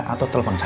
atau telepon saya